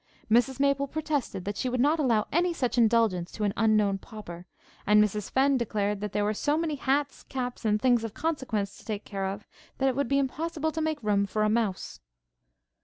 Mrs Maple protested that she would not allow any such indulgence to an unknown pauper; and Mrs Fenn declared, that there were so many hats, caps, and things of consequence to take care of, that it would be impossible to make room for a mouse.